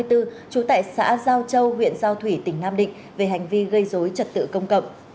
trú tại xã giao châu huyện giao thủy tỉnh nam định về hành vi gây dối trật tự công cộng